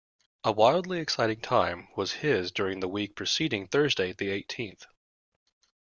A wildly exciting time was his during the week preceding Thursday the eighteenth.